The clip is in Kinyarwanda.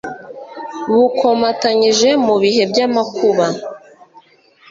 bukomatanyije mu bihe by'amakuba